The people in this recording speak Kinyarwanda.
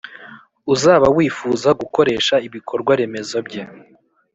Uzaba wifuza gukoresha ibikorwaremezo bye